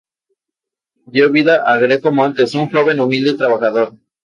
West creció en Nueva York, y más tarde se mudó al Sur de Florida.